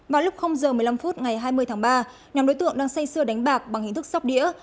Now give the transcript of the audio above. vào lúc h một mươi năm phút ngày hai mươi tháng ba nhóm đối tượng đang say sưa đánh bạc bằng hình thức sọc đĩa